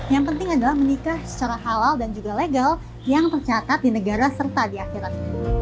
yang penting adalah menikah secara halal dan juga legal yang tercatat di negara serta di akhirat